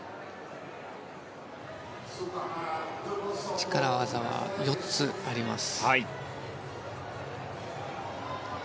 力技は４つあります。